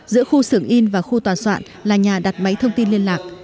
giữa khu xưởng in và khu tòa soạn là nhà đặt máy thông tin liên lạc